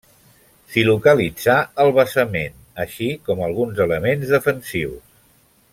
S'hi localitzà el basament, així com alguns elements defensius.